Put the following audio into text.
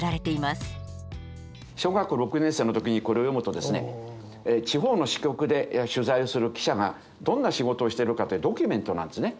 小学校６年生の時にこれを読むとですね地方の支局で取材をする記者がどんな仕事をしてるかっていうドキュメントなんですね。